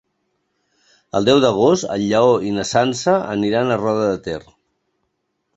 El deu d'agost en Lleó i na Sança aniran a Roda de Ter.